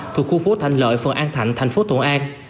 thuộc khu phố thanh lợi phường an thạnh thành phố thuận an